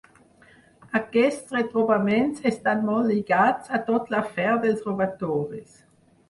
Aquests retrobaments estan molt lligats a tot l'afer dels robatoris.